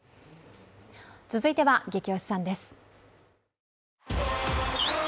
続いては「ゲキ推しさん」です。